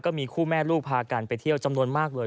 ก็มีคู่แม่ลูกพากันไปเที่ยวจำนวนมากเลย